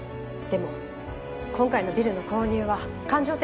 でも今回のビルの購入は感情的なもので。